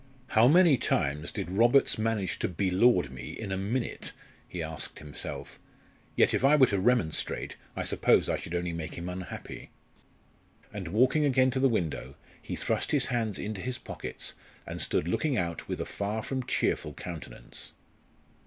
"How many times did Roberts manage to be lord me in a minute?" he asked himself; "yet if I were to remonstrate, I suppose I should only make him unhappy." And walking again to the window, he thrust his hands into his pockets and stood looking out with a far from cheerful countenance.